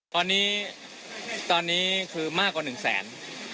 ตอนนี้ตอนนี้คือมากกว่า๑แสน